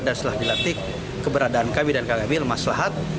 dan setelah dilantik keberadaan kami dan kakak kami lemah selahat